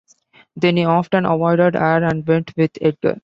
Then he often avoided her and went with Edgar.